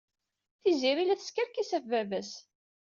Tiziri la teskerkis ɣef baba-s.